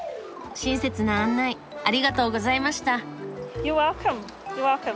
親切な案内ありがとうございました。